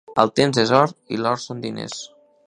El temps és or i l'or són diners